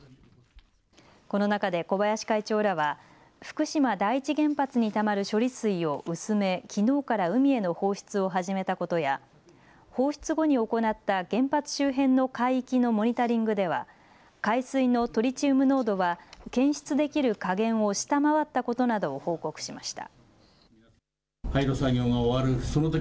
この中で小林会長らは福島第一原発にたまる処理水を薄め、きのうから海への放出を始めたことや放出後に行った原発周辺の海域のモニタリングでは海水のトリチウム濃度は検出できる下限を下回ったことなどを報告しました。